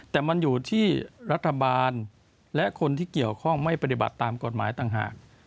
แต่มันอยู่ที่รัฐบาลและคนที่เกี่ยวข้องไม่ปฏิบัติตามกฎหมายต่างหาก